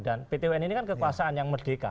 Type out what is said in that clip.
dan pt un ini kan kekuasaan yang merdeka